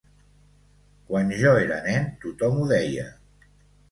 Quan jo era nen tothom ho deia.